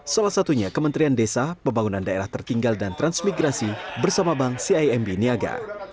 salah satunya kementerian desa pembangunan daerah tertinggal dan transmigrasi bersama bank cimb niaga